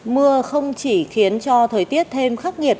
mưa không chỉ khiến cho thời tiết thêm khắc nghiệt